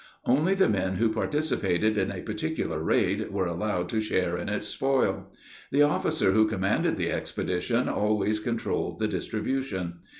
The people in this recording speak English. Only the men who participated in a particular raid were allowed to share in its spoil. The officer who commanded the expedition always controlled the distribution.